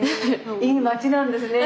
いい町なんですね